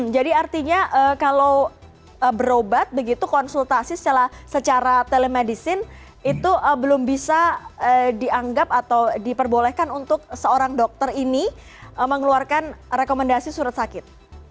jadi artinya kalau berobat begitu konsultasi secara telemedicine itu belum bisa dianggap atau diperbolehkan untuk seorang dokter ini mengeluarkan rekomendasi surat sakit